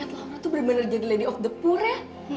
astaga laura itu benar benar jadi lady of the poor ya